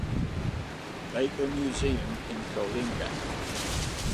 Baker Museum in Coalinga.